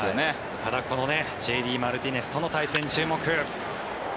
ただこのＪ．Ｄ．マルティネスとの対戦、注目。